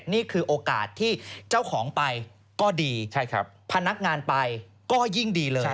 นี่คือโอกาสที่เจ้าของไปก็ดีพนักงานไปก็ยิ่งดีเลย